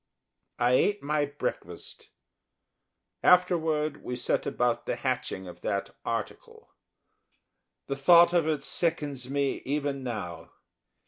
I ate my breakfast. Afterward, we set about the hatching of that article the thought of it sickens me even now.